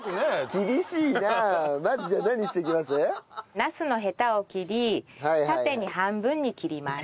ナスのヘタを切り縦に半分に切ります。